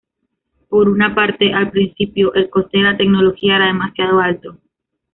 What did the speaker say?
Por una parte, al principio el coste de la tecnología era demasiado alto.